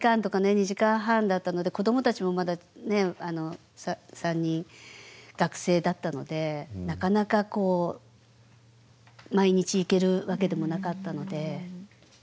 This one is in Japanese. ２時間半だったので子どもたちもまだ３人学生だったのでなかなかこう毎日行けるわけでもなかったので。